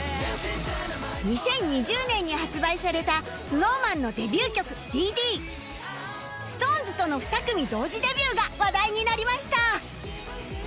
２０２０年に発売された ＳｎｏｗＭａｎ のデビュー曲『Ｄ．Ｄ．』ＳｉｘＴＯＮＥＳ との２組同時デビューが話題になりました